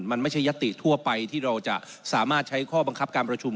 มันไม่ใช่ยัตติทั่วไปที่เราจะสามารถใช้ข้อบังคับการประชุม